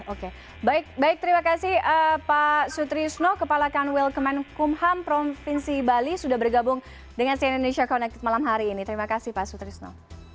oke baik baik terima kasih pak sutrisno kepala kanwil kemenkumham provinsi bali sudah bergabung dengan cn indonesia connected malam hari ini terima kasih pak sutrisno